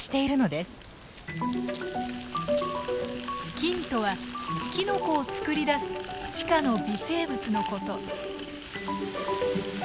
菌とはキノコを作り出す地下の微生物のこと。